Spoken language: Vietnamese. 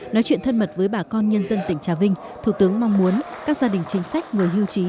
nói chuyện thân mật với bà con nhân dân tỉnh trà vinh thủ tướng mong muốn các gia đình chính sách người hưu trí